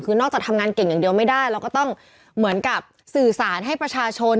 คือนอกจากทำงานเก่งอย่างเดียวไม่ได้เราก็ต้องเหมือนกับสื่อสารให้ประชาชน